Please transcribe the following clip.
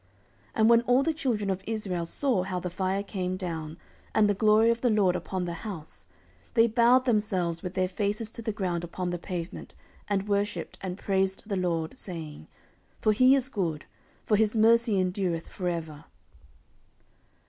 14:007:003 And when all the children of Israel saw how the fire came down, and the glory of the LORD upon the house, they bowed themselves with their faces to the ground upon the pavement, and worshipped, and praised the LORD, saying, For he is good; for his mercy endureth for ever.